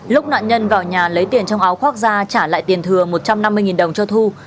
lúc nạn nhân vào nhà lấy tiền trong áo khoác ra trả lại tiền thừa một trăm năm mươi đồng cho thu